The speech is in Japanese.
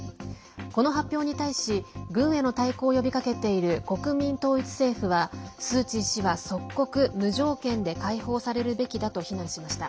この発表に対し、軍への対抗を呼びかけている国民統一政府はスー・チー氏は即刻、無条件で解放されるべきだと非難しました。